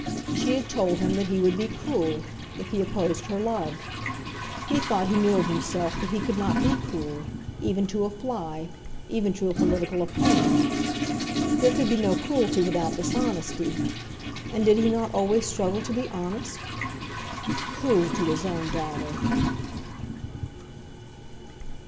She had told him that he would be cruel, if he opposed her love. He thought he knew of himself that he could not be cruel, even to a fly, even to a political opponent. There could be no cruelty without dishonesty, and did he not always struggle to be honest? Cruel to his own daughter!